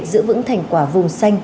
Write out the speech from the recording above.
giữ vững thành quả vùng xanh